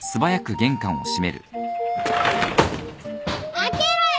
・開けろよ！